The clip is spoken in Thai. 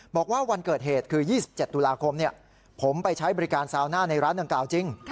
บอกว่าวันเกิดเหตุคือ๒๗ตุลาคมผมไปใช้บริการซาวน่าในร้านดังกล่าวจริง